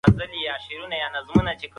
که تحقیق وي نو غلطي نه کیږي.